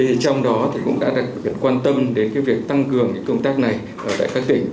thì trong đó thì cũng đã được quan tâm đến việc tăng cường những công tác này ở các tỉnh